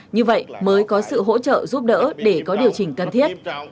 như vậy mới có sự hỗ trợ giúp đỡ để có điều chỉnh cần thiết